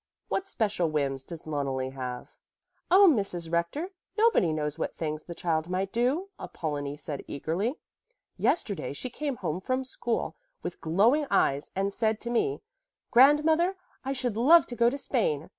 What special whims does Loneli have?" "Oh, Mrs. Rector, nobody knows what things the child might do," Apollonie said eagerly. "Yesterday she came home from school with glowing eyes and said to me, 'Grandmother, I should love to go to Spain.